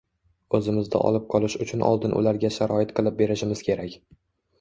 Oʻzimizda olib qolish uchun oldin ularga sharoit qilib berishimiz kerak.